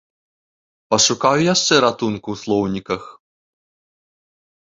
Пашукаю яшчэ ратунку ў слоўніках.